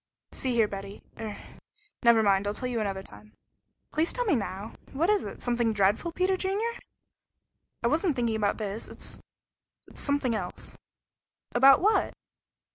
See here Betty er never mind. I'll tell you another time." "Please tell me now! What is it? Something dreadful, Peter Junior?" "I wasn't thinking about this; it it's something else " "About what?"